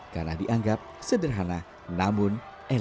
karena dianggap sebagai panggilan yang paling dikenal